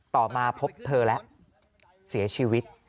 ต่อมาพบเธอแล้วเสียชีวิต